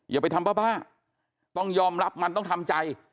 อย่าไปทำบ้าบ้าต้องยอมรับมันต้องทำใจ